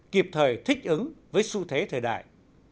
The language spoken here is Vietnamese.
kịp thời thích ứng với xu thế thời đại